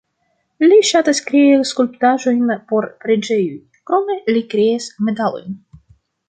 Li ŝatas krei skulptaĵojn por preĝejoj, krome li kreas medalojn.